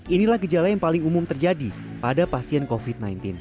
inilah gejala yang paling umum terjadi pada pasien covid sembilan belas